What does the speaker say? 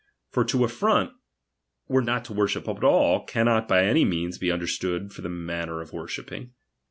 For to affront, or not to worship at all, cannot by any man be under stood for a manner of worshipping.